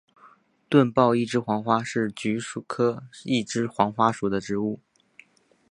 钝苞一枝黄花是菊科一枝黄花属的植物。